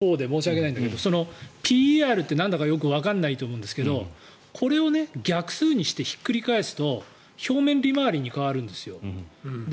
釈迦に説法でちょっと申し訳ないんだけどＰＥＲってなんだかよくわからないと思うんですけどこれを逆数にしてひっくり返すと表面利回りに変わるんですよ。